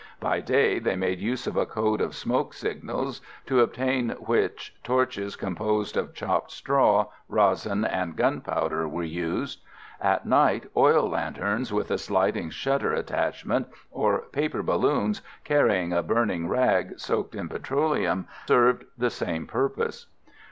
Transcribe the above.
By day they made use of a code of smoke signals, to obtain which torches composed of chopped straw, resin and gunpowder were used; at night oil lanterns with a sliding shutter attachment, or paper balloons carrying a burning rag soaked in petroleum, served the same purpose.